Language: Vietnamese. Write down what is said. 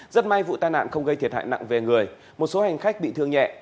rất may vụ tai nạn không gây thiệt hại nặng về người một số hành khách bị thương nhẹ